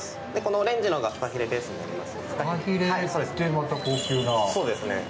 オレンジがフカヒレベースになります。